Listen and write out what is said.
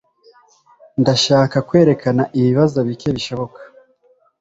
Ndashaka kwerekana ibibazo bike bishoboka